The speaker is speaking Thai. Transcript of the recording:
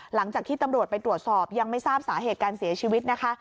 หลังจากที่ตำรวจไปตรวจสอบยังไม่ทราบสาเหตุการเสียชีวิตนะคะ